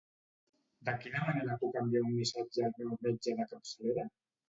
De quina manera puc enviar un missatge al meu metge de capçalera?